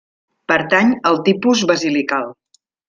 Pertany al tipus basilical.